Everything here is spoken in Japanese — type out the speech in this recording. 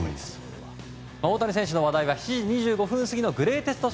大谷選手の話題は７時２５分過ぎのグレイテスト